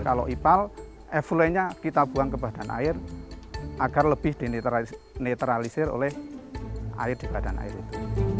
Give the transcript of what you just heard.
kalau ipal effle nya kita buang ke badan air agar lebih dinetralisir oleh air di badan air itu